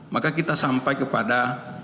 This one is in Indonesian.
maka kita sampai kepada